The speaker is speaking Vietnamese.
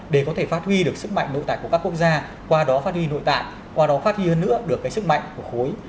để có thể phát huy được sức mạnh nội tại của các quốc gia qua đó phát huy nội tại qua đó phát huy hơn nữa được cái sức mạnh của khối